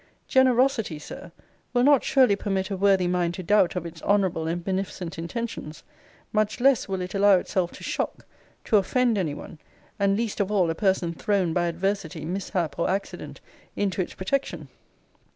Generosity, Sir, will not surely permit a worthy mind to doubt of its honourable and beneficent intentions: much less will it allow itself to shock, to offend any one; and, least of all, a person thrown by adversity, mishap, or accident, into its protection.